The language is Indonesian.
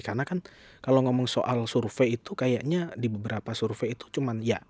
karena kan kalau ngomong soal survei itu kayaknya di beberapa survei itu cuman ya